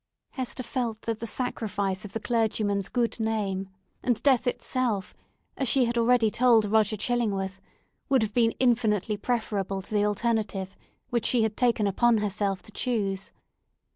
Hester felt that the sacrifice of the clergyman's good name, and death itself, as she had already told Roger Chillingworth, would have been infinitely preferable to the alternative which she had taken upon herself to choose.